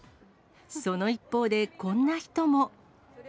その一方で、こんな人も。